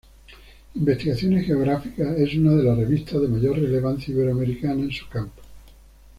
Investigaciones Geográficas es una de las revistas de mayor relevancia iberoamericana en su campo.